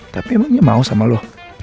tapi emangnya mau sama lo